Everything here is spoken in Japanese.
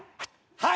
はい。